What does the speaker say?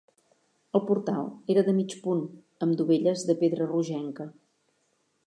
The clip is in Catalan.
El portal era de mig punt, amb dovelles de pedra rogenca.